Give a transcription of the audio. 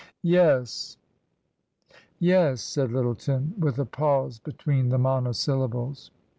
*' Yes — yes," said Lyttleton, with a pause between the monosyllables.